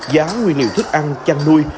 giá nguyên liệu thức ăn chăn nuôi